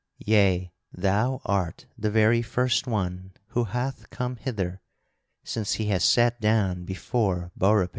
Yea, thou art the very first one who hath come hither since he has sat down before Beaurepaire."